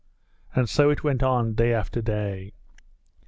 And so it went on day after day.